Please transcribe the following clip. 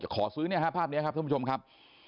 ขอซื้อภาพนี้ครับท่านผู้ชมครับ